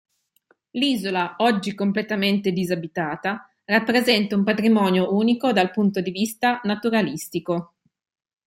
L'isola, oggi completamente disabitata, rappresenta un patrimonio unico dal punto di vista naturalistico.